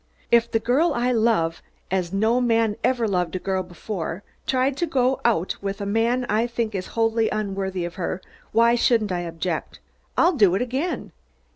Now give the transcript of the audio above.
If the girl I love, as no man ever loved a girl before, tries to go out with a man I think is wholly unworthy of her, why shouldn't I object? I'll do it again.